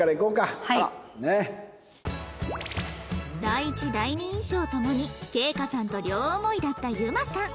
第一第二印象ともに圭叶さんと両思いだった遊馬さん